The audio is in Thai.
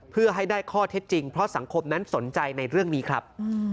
เพื่อให้ได้ข้อเท็จจริงเพราะสังคมนั้นสนใจในเรื่องนี้ครับ